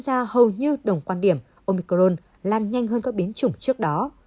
cha hầu như đồng quan điểm omicron lan nhanh hơn các biến chủng trước đó